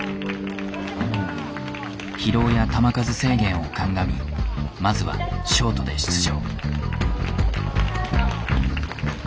疲労や球数制限を鑑みまずはショートで出場。